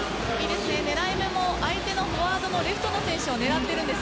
狙い目も相手のフォワードのレフトの選手を狙っているんです。